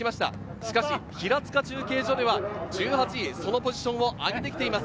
しかし平塚中継所では１８位、そのポジションを上げてきています。